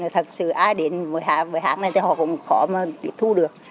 thật sự ai đến với hát này thì họ cũng khó mà thu được